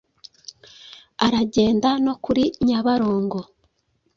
aragenda no kuri nyabarongo,